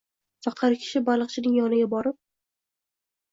Faqir kishi baliqchining yoniga borib